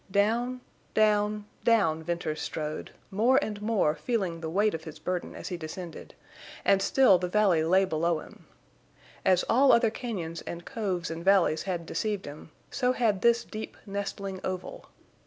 Down, down, down Venters strode, more and more feeling the weight of his burden as he descended, and still the valley lay below him. As all other cañons and coves and valleys had deceived him, so had this deep, nestling oval.